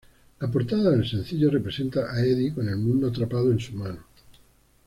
La portada del sencillo representa a Eddie con el mundo atrapado en su mano.